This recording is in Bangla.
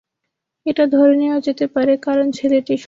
এটা ধরে নেওয়া যেতে পারে, কারণ ছেলেটি সুন্দর।